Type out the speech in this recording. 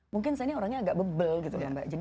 mungkin saya ini orangnya agak bebel gitu loh mbak